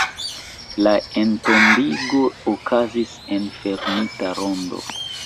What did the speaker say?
La entombigo okazis en fermita rondo.